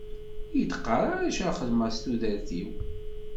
Ur yi-d-qqar ara acu ara xedmeɣ s tudert-iw.